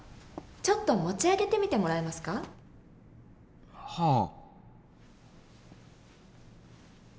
ちょっと持ち上げてみてもらえますか？はあ。